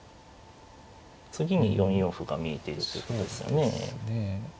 次に４四歩が見えているということですよね。